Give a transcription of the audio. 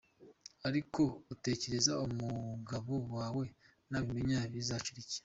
ark utekereze umugabo wae nabimenya bizacurik?.